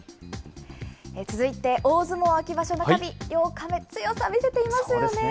続いて、大相撲秋場所中日、８日目、強さ見せていますよね。